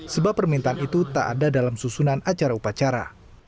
sebab permintaan itu tak ada dalam susunan acara upacara